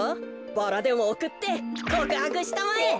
バラでもおくってこくはくしたまえ。